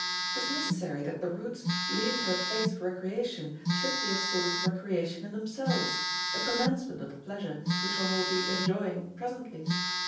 It is necessary that the routes leading to a place of recreation should be a source of recreation in themselves, the commencement of the pleasure which one will be enjoying presently.